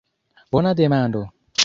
Bona demando.